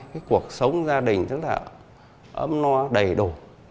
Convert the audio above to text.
cái cuộc sống gia đình rất là ấm no đầy đủ